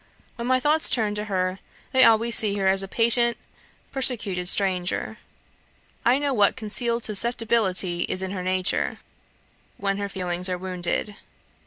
When my thoughts turn to her, they always see her as a patient, persecuted stranger. I know what concealed susceptibility is in her nature, when her feelings are wounded.